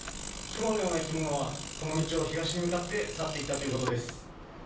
クマのような生き物は、この道を東に向かって去っていったということです。